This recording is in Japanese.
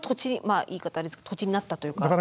あれですけど土地になったというか。